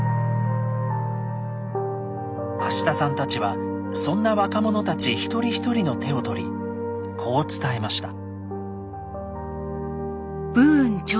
明日さんたちはそんな若者たち一人一人の手を取りこう伝えました。